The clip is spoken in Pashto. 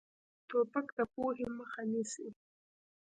توپک د پوهې مخه نیسي.